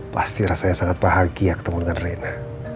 pasti rasanya sangat bahagia ketemu dengan reina